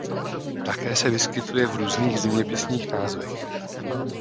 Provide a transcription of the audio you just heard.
Také se vyskytuje v různých zeměpisných názvech.